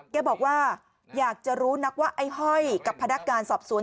แกบอกว่าอยากจะรู้นักว่าไอ้ห้อยกับพนักงานสอบสวน